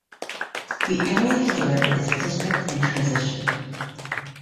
The area here is a district in transition.